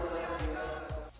di piramida penduduk indonesia